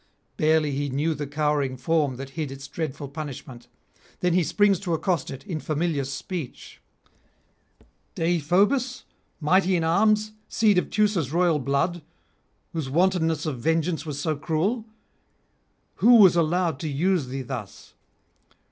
Barely he knew the cowering form that hid its dreadful punishment; then he springs to accost it in familiar speech: 'Deïphobus mighty in arms, seed of Teucer's royal blood, whose wantonness of vengeance was so cruel? who was allowed to use thee thus?